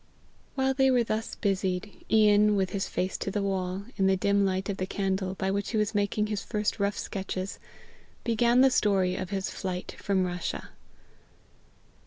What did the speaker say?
While they were thus busied, Ian, with his face to the wall, in the dim light of the candle by which he was making his first rough sketches, began the story of his flight from Russia.